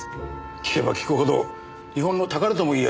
聞けば聞くほど日本の宝とも言える人物だ。